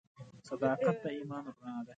• صداقت د ایمان رڼا ده.